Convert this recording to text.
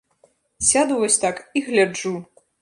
Сяду вось так і гляджу!